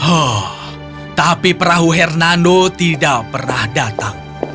oh tapi perahu hernando tidak pernah datang